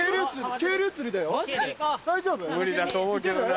無理だと思うけどな。